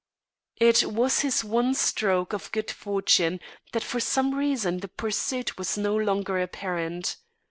It was his one stroke of good fortune that for some reason the pursuit was no longer apparent.